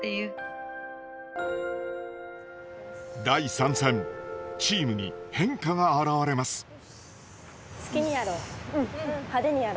第３戦チームに変化が表れます。